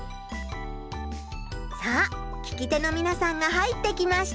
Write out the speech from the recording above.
さあ聞き手のみなさんが入ってきました。